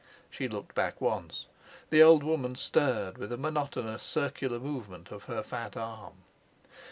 She looked back once: the old woman stirred with a monotonous circular movement of her fat arm.